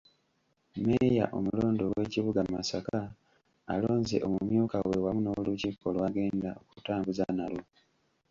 Mmeeya omulonde ow'ekibuga Masaka, alonze omumyuka we wamu n’olukiiko lwagenda okutambuza nalwo .